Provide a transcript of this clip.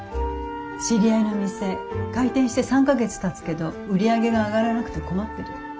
知り合いのお店開店して３か月たつけど売り上げが上がらなくて困ってる。